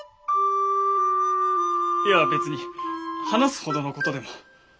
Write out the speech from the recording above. いや別に話すほどのことでも。